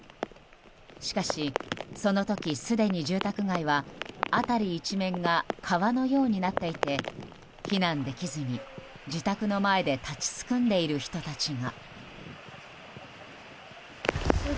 しかし、その時すでに住宅街は辺り一面が川のようになっていて避難できずに、自宅の前で立ちすくんでいる人たちが。